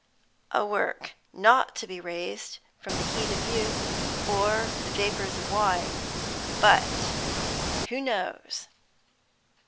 "A work not to be raised from the heat of youth, or the vapours of wine. But who knows?"